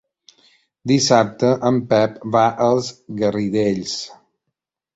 Dissabte en Pep va als Garidells.